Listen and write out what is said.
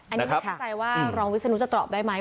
อันนี้แสดงว่ารองวิศนุทธ์จะตลอดได้ไหม